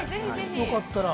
よかったら。